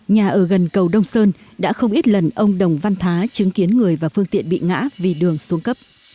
nhà ở gần cầu đông sơn đã không ít lần ông đồng văn thá chứng kiến người và phương tiện bị ngã vì đường xuống cấp